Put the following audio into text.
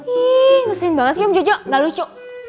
ih ngeselin banget sih om jojo nggak lucu